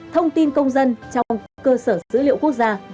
thông tin công dân trong cơ sở dữ liệu quốc gia về dân cư xác nhận thông tin cư chú